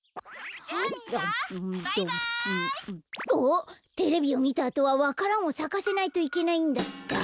あっテレビをみたあとはわか蘭をさかせないといけないんだった。